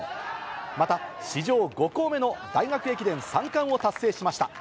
また史上５校目の大学駅伝三冠を達成しました。